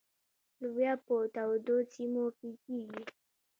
لوبیا په تودو سیمو کې کیږي.